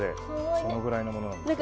そのぐらいのものなんですよ。